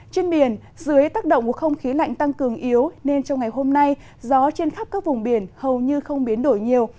trên biển dưới tác động của không khí lạnh tăng cường yếu nên trong ngày hôm nay gió trên khắp các vùng biển hầu như không biến đổi nhiều